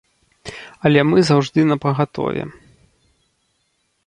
Але мы заўжды напагатове.